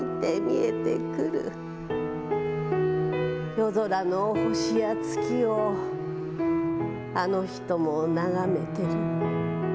夜空の星や月をあの人も眺めてる。